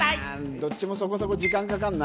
どっちもそこそこ時間かかるな。